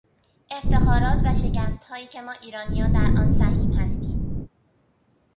افتخارات و شکستهایی که ما ایرانیان در آن سهیم هستیم